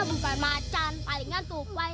bukan macan palingan tupai